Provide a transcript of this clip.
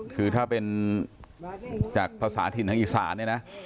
คือถ้าเป็นไปจากผสาถิ่นตะหิกษาเนเนี่ยนะ